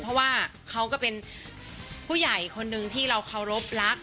เพราะว่าเขาก็เป็นผู้ใหญ่คนหนึ่งที่เราเคารพรัก